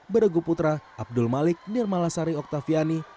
beredug putra abdul malik nirmala sari oktaviani